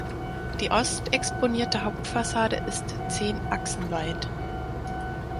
Die ostexponierte Hauptfassade ist zehn Achsen weit.